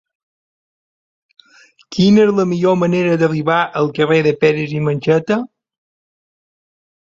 Quina és la millor manera d'arribar al carrer de Peris i Mencheta?